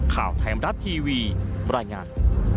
ข่าวไทยมรัฐทีวีบรรยายงาน